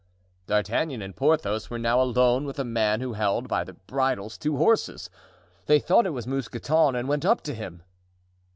D'Artagnan and Porthos were now alone with a man who held by the bridles two horses; they thought it was Mousqueton and went up to him.